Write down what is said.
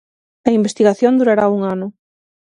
A investigación durará un ano.